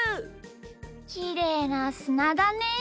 きれいなすなだね。